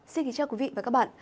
xin kính chào quý vị và các bạn